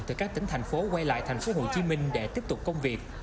từ các tỉnh thành phố quay lại tp hcm để tiếp tục công việc